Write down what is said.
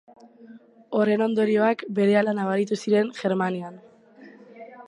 Horren ondorioak berehala nabaritu ziren Germanian.